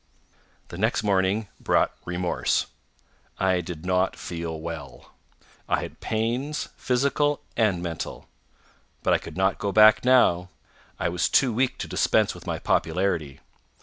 The next morning brought remorse. I did not feel well. I had pains, physical and mental. But I could not go back now. I was too weak to dispense with my popularity.